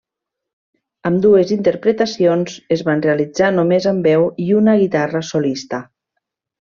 Ambdues interpretacions es van realitzar només amb veu i una guitarra solista.